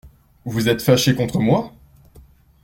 Vous êtes fâché contre moi ?